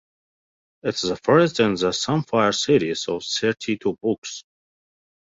It is the first in the Sunfire series of thirty-two books.